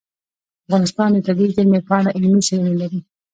افغانستان د طبیعي زیرمې په اړه علمي څېړنې لري.